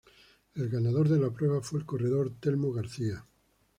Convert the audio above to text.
El ganador de la prueba fue el corredor Telmo García.